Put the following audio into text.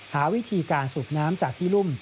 หาวิธีการสูบน้ำจากที่รุ่ม